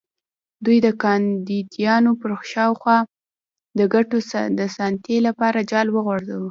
دوی د کاندیدانو پر شاوخوا د ګټو د ساتنې لپاره جال وغوړاوه.